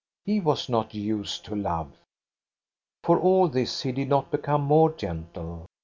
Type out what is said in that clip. — he was not used to love. xi For all this he did not become more gentle.